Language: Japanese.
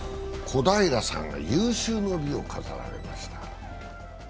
小平さんが有終の美を飾られました。